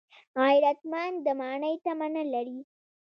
غیرتمند د ماڼۍ تمه نه لري